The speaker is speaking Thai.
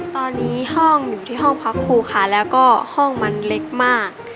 ตอนนี้ห้องอยู่ที่ห้องพักครูค่ะแล้วก็ห้องมันเล็กมาก